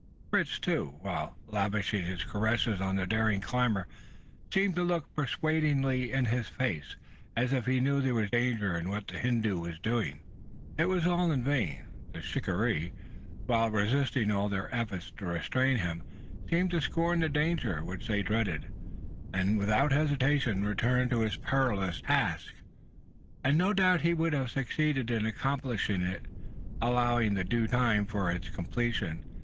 Fritz, too, while lavishing his caresses on the daring climber, seemed to look persuadingly into his face as if he knew there was danger in what the Hindoo was doing. It was all in vain. The shikaree, while resisting all their efforts to restrain him, seemed to scorn the danger which they dreaded; and, without hesitation, returned to his perilous task. And no doubt he would have succeeded in accomplishing it, allowing due time for its completion.